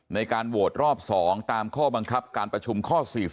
ในการโหวตรอบ๒ตามข้อบังคับการประชุมข้อ๔๔